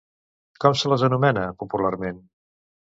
Com se les anomena, popularment?